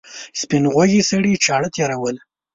سپین غوږي سړي چاړه تېروله.